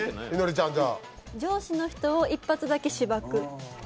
上司の人を一発だけしばく。